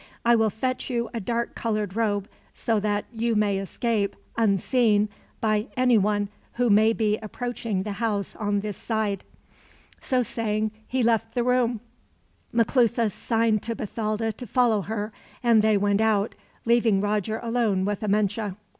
I will fetch you a dark colored robe, so that you may escape, unseen, by anyone who may be approaching the house on this side." So saying, he left the room. Maclutha signed to Bathalda to follow her, and they went out, leaving Roger alone with Amenche.